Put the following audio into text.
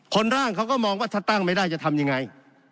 ร่างเขาก็มองว่าถ้าตั้งไม่ได้จะทำยังไง